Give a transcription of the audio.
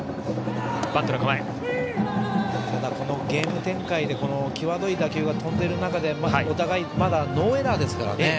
このゲーム展開で際どい打球が飛んでいる中でお互いまだノーエラーですからね。